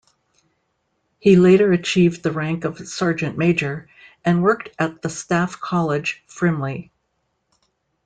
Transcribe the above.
He later achieved the rank of Sergeant-Major, and worked at the Staff College, Frimley.